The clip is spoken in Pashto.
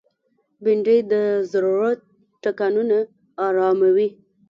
بېنډۍ د زړه ټکانونه آراموي